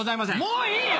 もういいよ！